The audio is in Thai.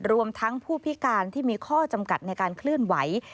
รวมทั้งผู้พิการที่มีข้อจำกัดในการเคลื่อนไหว